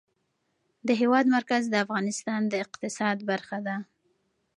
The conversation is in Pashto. د هېواد مرکز د افغانستان د اقتصاد برخه ده.